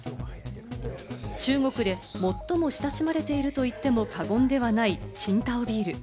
中国で最も親しまれていると言っても過言ではない青島ビール。